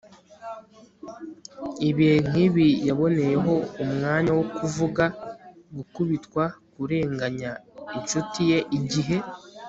ibihe nkibi yaboneyeho umwanya wo kuvuga gukubitwa kurenganya inshuti ye, igihe